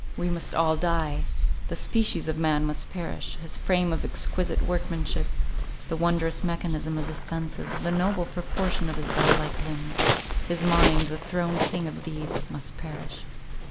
We must all die! The species of man must perish; his frame of exquisite workmanship; the wondrous mechanism of his senses; the noble proportion of his godlike limbs; his mind, the throned king of these; must perish.